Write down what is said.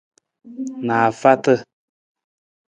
Naafaata.